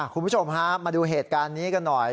คุณผู้ชมฮะมาดูเหตุการณ์นี้กันหน่อย